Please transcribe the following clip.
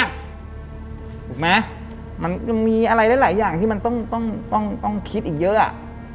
ถูกไหมมันมีอะไรหลายอย่างที่มันต้องคิดอีกเยอะอ่ะ